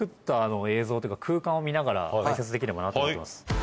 っていうか空間を見ながら解説できればなと思います。